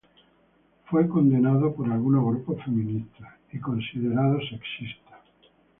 Fue condenada por algunos grupos feministas y fue considerado sexista.